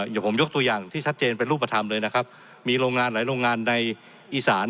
อย่างผมยกตัวอย่างที่ชัดเจนเป็นรูปธรรมเลยนะครับมีโรงงานหลายโรงงานในอีสาน